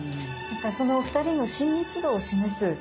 その２人の親密度を示す